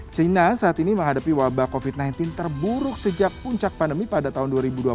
china saat ini menghadapi wabah covid sembilan belas terburuk sejak puncak pandemi pada tahun dua ribu dua puluh